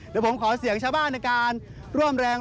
เดี๋ยวผมขอเสียงชาวบ้านในการร่วมแรง